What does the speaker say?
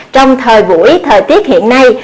trong thời buổi thời tiết hiện nay